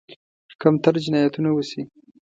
کمتر جنایتونه وشي.